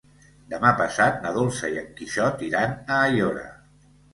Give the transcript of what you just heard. Demà passat na Dolça i en Quixot iran a Aiora.